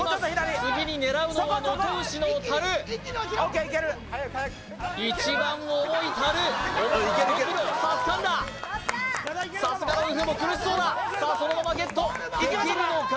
次に狙うのは能登牛のタル一番重いタルさあつかんださすがのウルフも苦しそうださあそのままゲットできるのか？